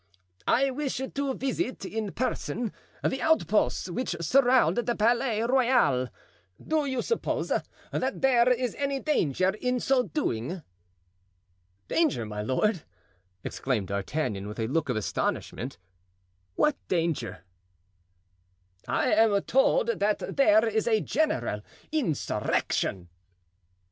"I wish to visit in person the outposts which surround the Palais Royal; do you suppose that there is any danger in so doing?" "Danger, my lord!" exclaimed D'Artagnan with a look of astonishment, "what danger?" "I am told that there is a general insurrection."